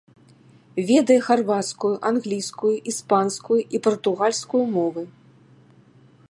Ведае харвацкую, англійскую, іспанскую і партугальскую мовы.